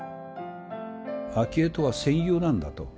昭恵とは戦友なんだと。